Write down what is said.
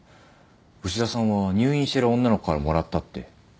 牛田さんは入院してる女の子からもらったって。